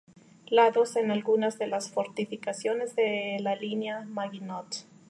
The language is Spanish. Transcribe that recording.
Lados en algunas de las fortificaciones de la Línea Maginot.